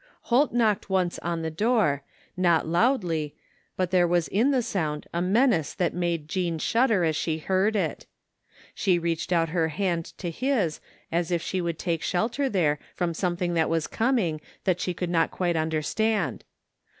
Holt knocked once on the door, not loudly, but 98 THE FINDING OF JASPER HOLT there was in the sound a menace that made Jean shudder as she heard it. She reached out her hand to his as if she would take shelter there from something that was coming, that she could not quite understand.